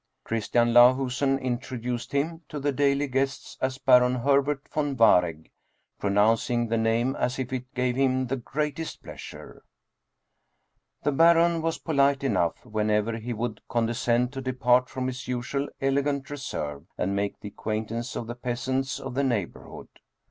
Christian Lahusen introduced him to the daily guests as Baron Herbert von Waregg, pronouncing the name as if it gave him the greatest pleasure. The Baron was polite enough whenever he would condescend to depart from his usual elegant reserve and make the acquaintance of the peasants of the neighborhood.